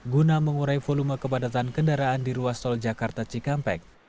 guna mengurai volume kepadatan kendaraan di ruas tol jakarta cikampek